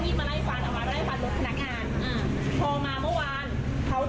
เมื่อวานเขาเข้าหลังร้านหนูก็เอารถไปกลักตรงประตูขนาดล้าน